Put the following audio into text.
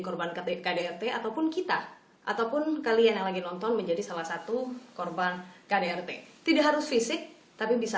korban kdrt ataupun kita ataupun kalian yang lagi nonton menjadi salah satu korban kdrt tidak harus fisik tapi bisa